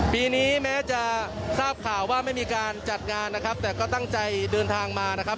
ปีนี้แม้จะทราบข่าวว่าไม่มีการจัดงานนะครับแต่ก็ตั้งใจเดินทางมานะครับ